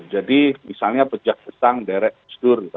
jadi misalnya pecah kesang deret kesudur gitu